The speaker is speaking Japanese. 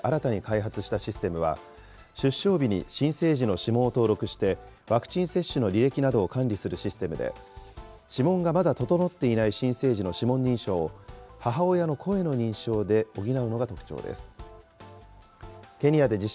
ＮＥＣと長崎大学が、ケニアの研究機関と共同で新たに開発したシステムは、出生日に新生児の指紋を登録して、ワクチン接種の履歴などを管理するシステムで、指紋がまだ整っていない新生児の指紋認証を、母親の声の認証で補うのが特徴です。